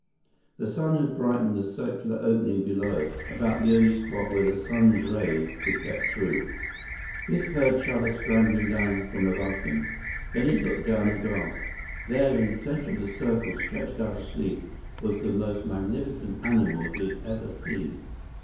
The sun had brightened the circular opening below, about the only spot where the sun's rays could get through. Biff heard Chuba scrambling down from above him. Then he looked down and gasped. There in the center of the circle, stretched out asleep, was the most magnificent animal he had ever seen.